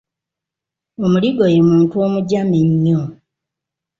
Omuligo ye muntu omujama ennyo.